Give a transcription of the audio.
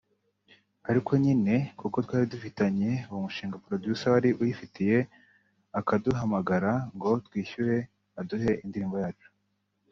ariko nyine kuko twari dufitanye uwo mushinga producer wari uyifite akaduhamagara ngo twishyure aduhe indirimbo yacu